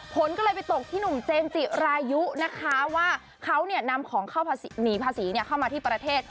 ผลก็เลยไปตกที่หนุ่มเจมส์จิรายุนะคะว่าเขานำของเข้าหนีภาษีเข้ามาที่ประเทศ